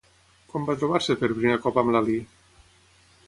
Quan va trobar-se per primer cop amb Lalí?